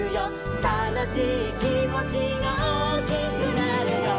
「たのしいきもちがおおきくなるよ」